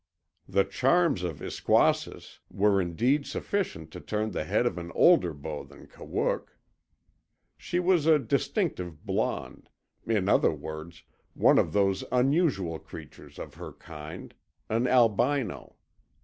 The charms of Iskwasis were indeed sufficient to turn the head of an older beau than Kawook. She was a distinctive blonde; in other words, one of those unusual creatures of her kind, an albino.